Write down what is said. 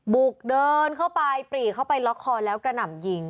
บุกเดินเข้าไปปรีเข้าไปล็อกคอแล้วกระหน่ำยิง